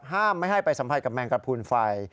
ไม่ให้ไปสัมผัสกับแมงกระพูนไฟ